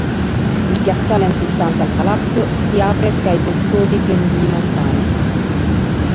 Il piazzale antistante al palazzo si apre fra i boscosi pendii montani.